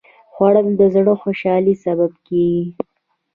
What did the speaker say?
خوړل د زړه خوشالي سبب کېږي